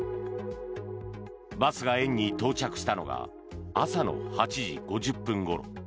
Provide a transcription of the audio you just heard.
バスが園に到着したのが朝の８時５０分ごろ。